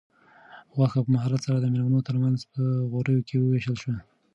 غوښه په مهارت سره د مېلمنو تر منځ په غوریو کې وویشل شوه.